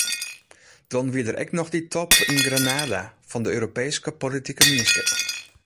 Dan wie der ek noch dy top yn Granada fan de Europeeske Politike Mienskip.